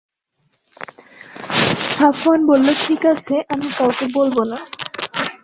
সাফওয়ান বলল, ঠিক আছে, আমি কাউকে বলব না।